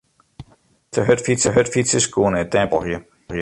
De measte hurdfytsers koene it tempo net folgje.